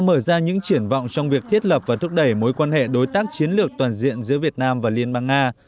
mở ra những triển vọng trong việc thiết lập và thúc đẩy mối quan hệ đối tác chiến lược toàn diện giữa việt nam và liên bang nga